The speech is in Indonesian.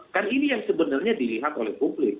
kan ini yang sebenarnya dilihat oleh publik